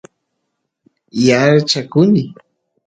yaarchakuny